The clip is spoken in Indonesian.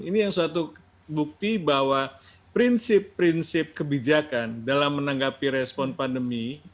ini yang suatu bukti bahwa prinsip prinsip kebijakan dalam menanggapi respon pandemi